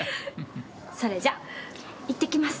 それじゃ行ってきます。